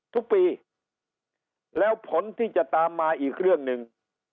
ทุกปีแล้วผลที่จะตามมาอีกเรื่องหนึ่ง